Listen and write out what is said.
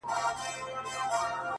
زما دې ژوند د ارواحونو په زنځير وتړئ’